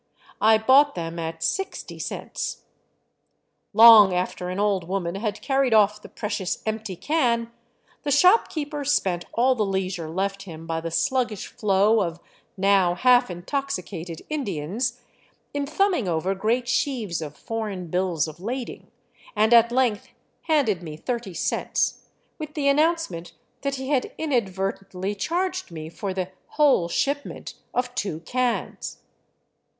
I bought them at sixty cents. Long after an old woman had carried off the precious empty can, the shopkeeper spent all the leisure left him by the sluggish flow of now half intoxicated Indians in thumbing over great sheaves of foreign bills of lading, and at length handed me thirty cents, with the announcement that he had inadvertently charged me for the " whole shipment "— of two cans